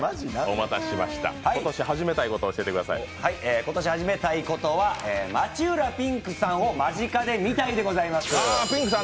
今年始めたいことは街裏ぴんくさんを間近で見たいでございます。